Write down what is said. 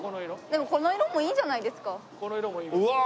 でもこの色もいいじゃないですか。